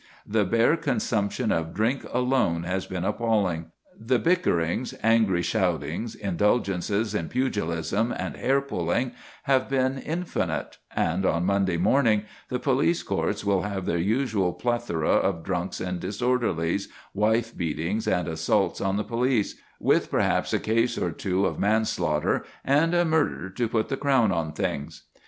The bare consumption of drink alone has been appalling; the bickerings, angry shoutings, indulgences in pugilism and hair pulling, have been infinite; and on Monday morning the police courts will have their usual plethora of drunks and disorderlies, wife beatings and assaults on the police, with, perhaps, a case or two of manslaughter and a murder to put the crown on things.